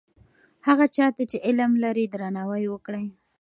هغه چا ته چې علم لري درناوی وکړئ.